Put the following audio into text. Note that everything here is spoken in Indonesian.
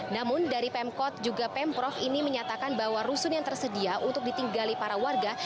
namun dari pemkot juga pemprov ini menyatakan bahwa rusun yang tersedia untuk ditinggali para warga